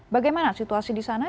bagaimana situasi di sana